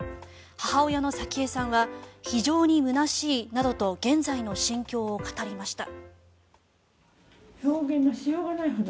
母親の早紀江さんは非常に空しいなどと現在の心境を語りました。